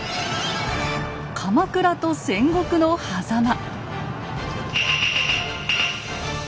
鎌倉と戦国のはざま。